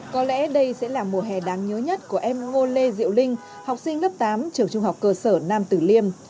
có lẽ đây sẽ là mùa hè đáng nhớ nhất của em ngô lê diệu linh học sinh lớp tám trường trung học cơ sở nam tử liêm